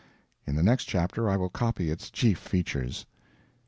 In the next chapter I will copy its chief features.